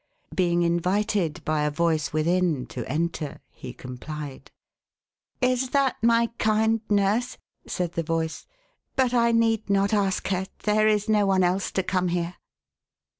Being invited, by a voice within, to enter, he complied. '" Is that my kind nurse ?" said the voice. " But I need not ask her. There is no one else to come here."